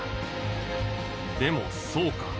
でもそうか。